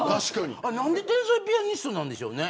何で天才ピアニストなんですかね。